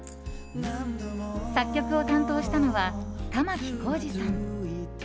作曲を担当したのは玉置浩二さん。